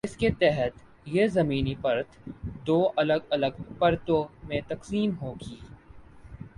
جس کی تحت یہ زمینی پرت دو الگ الگ پرتوں میں تقسیم ہوگی۔